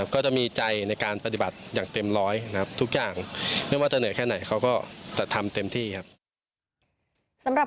ก็จะมีใจในการปฏิบัติอย่างเต็มร้อยนะครับ